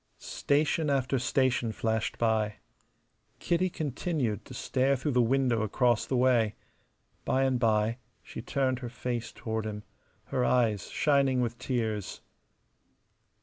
Station after station flashed by. Kitty continued stare through the window across the way, by and by she turned her face toward him, her eyes shining with tears.